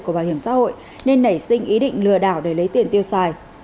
của bảo hiểm xã hội nên nảy sinh ý định lừa đảo để lấy tiền tiêu xài